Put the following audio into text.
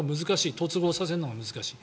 突合させるのが難しい。